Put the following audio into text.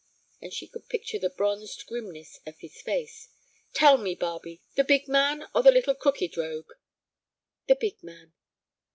And she could picture the bronzed grimness of his face. "Tell me, Barbe—the big man, or the little crooked rogue?" "The big man."